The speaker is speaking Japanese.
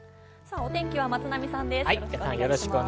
お天気は松並さんです。